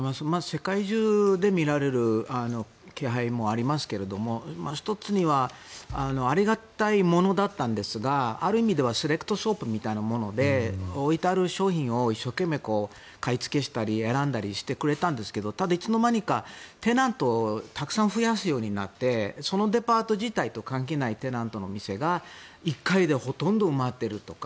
世界中で見られる気配もありますが１つにはありがたいものだったんですがある意味ではセレクトショップみたいなもので置いてある商品を一生懸命買いつけしたり選んだりしてくれたんですけどただいつの間にかテナントがたくさん増やすようになってそのデパート自体と関係ないテナントの店が１階でほとんど埋まっているとか。